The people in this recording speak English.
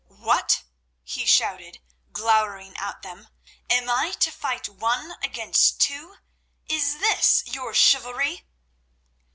"What!" he shouted, glowering at them. "Am I to fight one against two? Is this your chivalry?"